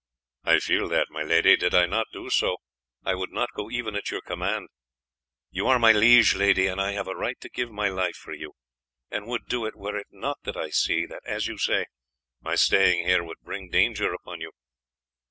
"I feel that, my lady; did I not do so I would not go even at your command. You are my liege lady, and I have a right to give my life for you, and would do it were it not that I see that, as you say, my staying here would bring danger upon you."